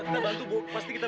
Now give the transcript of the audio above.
ya udah kita bisa